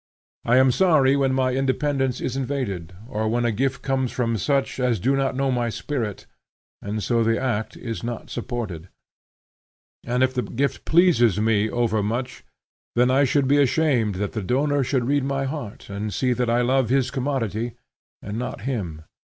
I am sorry when my independence is invaded, or when a gift comes from such as do not know my spirit, and so the act is not supported; and if the gift pleases me overmuch, then I should be ashamed that the donor should read my heart, and see that I love his commodity, and not him.